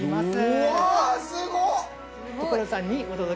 うわすごっ！